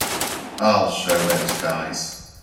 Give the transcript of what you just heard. I'll show those guys.